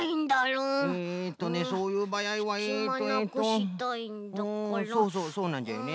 うんそうそうそうなんじゃよね。